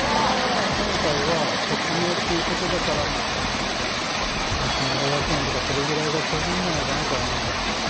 今回は匿名っていうことだから、まあ、２５００円とか、それぐらいがちょうどいいんじゃないかなとは思います。